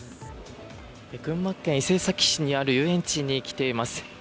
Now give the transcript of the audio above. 群馬県伊勢崎市にある遊園地に来ています。